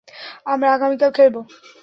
আমরা আগামীকাল খেলব।